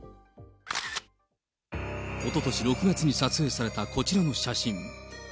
おととし６月に撮影されたこちらの写真。